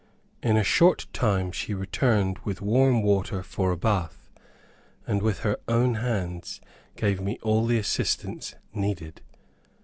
In a short time she returned with warm water for a bath, and with her own hands gave me all the assistance needed.